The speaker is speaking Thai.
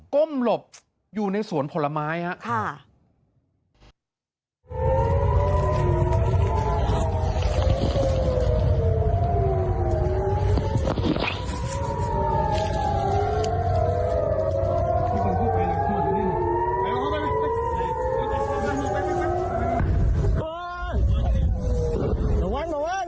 ก้มหลบอยู่ในสวนผลไม้ครับ